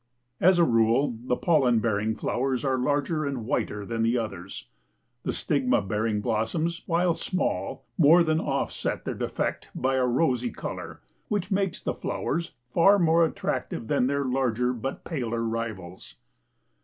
As a rule, the pollen bearing flowers are larger and whiter than the others. The stigma bearing blossoms, while small, more than offset their defect by a rosy color which makes the flowers far more attractive than their larger but paler rivals.